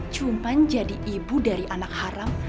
cuma jadi ibu dari anak haram